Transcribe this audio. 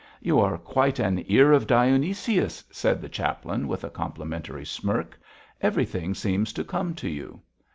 'You are quite an Ear of Dionysius,' said the chaplain, with a complimentary smirk; 'everything seems to come to you.'